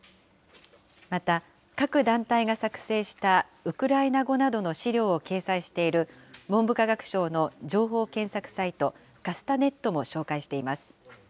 また各団体が作成したウクライナ語などの資料を掲載している文部科学省の情報検索サイト、かすたねっとも紹介しています。